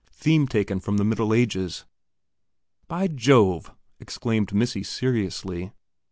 Theme taken from the Middle Ages." "By Jove!" exclaimed "Missy," seriously.